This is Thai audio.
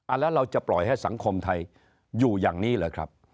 แล้วเราจะปล่อยให้สังคมไทยอยู่อย่างนี้เหรอครับ